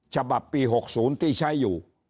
ฉบับปี๖๐ที่ใช้อยู่